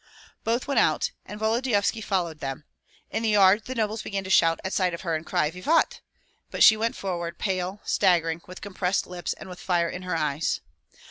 Both went out, and Volodyovski followed them. In the yard the nobles began to shout at sight of her, and cry, "Vivat!" But she went forward, pale, staggering, with compressed lips, and with fire in her eyes.